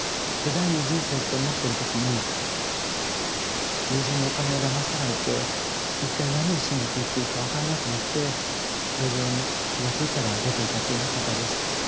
で第二の人生と思ってる時に友人にお金をだまし取られて一体何を信じて生きていいか分からなくなって路上に気が付いたら出ていたというような方です。